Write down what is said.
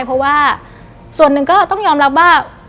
เพราะว่าส่วนหนึ่งก็ต้องยอมรับว่า